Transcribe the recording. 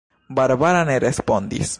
Barbara ne respondis.